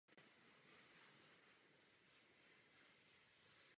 Podél ulice Powell Street stále existuje pár odkazů na bývalou japonskou čtvrť.